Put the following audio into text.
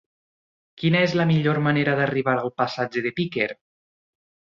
Quina és la millor manera d'arribar al passatge de Piquer?